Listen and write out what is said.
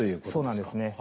そうなんですね。